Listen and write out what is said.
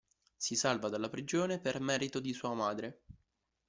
Si salva dalla prigione per merito di sua madre.